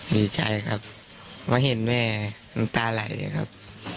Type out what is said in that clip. ดีใจครับมาเห็นแม่น้ำตาไหลเลยครับ